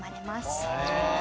へえ。